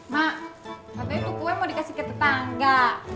mak katanya tuh kue mau dikasih ke tetangga